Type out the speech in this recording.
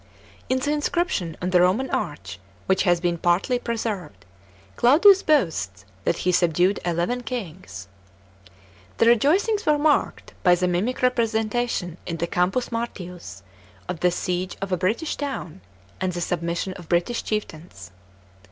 In the inscription on the Roman arch, which has been partly pre served, Claudius boasts that he subdued eleven kings f The rejoicings were marked by the mimic representation in the Campus Martius of the siege of a British town and the submission of Biitish chieftains.